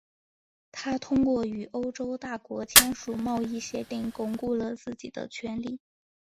他通过与欧洲大国签署贸易协定巩固了自己的权力。